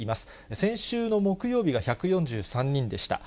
先週の木曜日が１４３人でした。